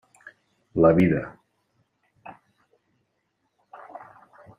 La vida.